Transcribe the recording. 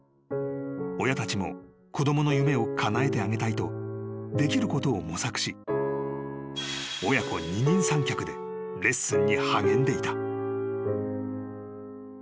［親たちも子供の夢をかなえてあげたいとできることを模索し親子二人三脚でレッスンに励んでいた］